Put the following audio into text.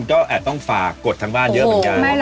เขาบอกว่าเข้ามา